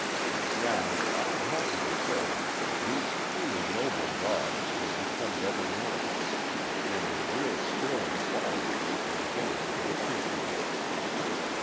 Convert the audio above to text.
Now, I am happy to say, these truly noble dogs have become better known, and their real sterling qualities are beginning to be appreciated.